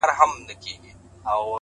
یو څوک دي ووایي چي کوم هوس ته ودرېدم ،